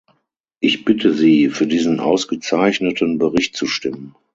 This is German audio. Ich bitte Sie, für diesen ausgezeichneten Bericht zu stimmen.